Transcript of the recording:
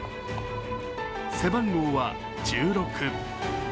背番号は１６。